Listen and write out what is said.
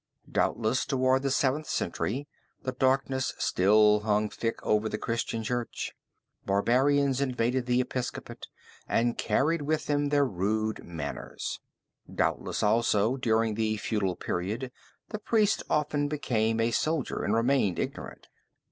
Doubtless, towards the Seventh Century, the darkness still hung thick over the Christian Church. Barbarians invaded the Episcopate, and carried with them their rude manners. Doubtless, also, during the feudal period the priest often became a soldier, and remained ignorant.